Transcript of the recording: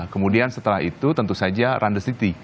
kemudian setelah itu tentu saja run the city